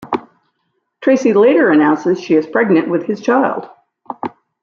Tracy later announces she is pregnant with his child.